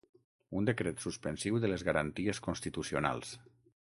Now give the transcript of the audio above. Un decret suspensiu de les garanties constitucionals.